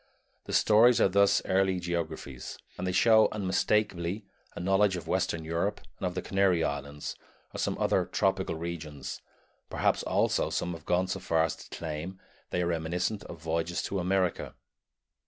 The stories are thus early geographies, and they show unmistakably a knowledge of western Europe and of the Canary Islands or some other tropical regions; perhaps also, some have gone so far as to claim, they are reminiscent of voyages to America.